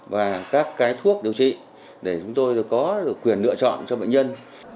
và các cái thuốc điều trị để chúng tôi có quyền lựa chọn cho bệnh nhân